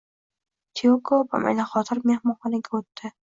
Tiyoko bamaylixotir mehmonxonaga o`tdi